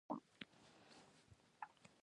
د بیړنیو ستونزو لپاره باید چیرته لاړ شم؟